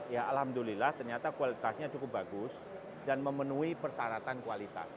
ya alhamdulillah ternyata kualitasnya cukup bagus dan memenuhi persyaratan kualitas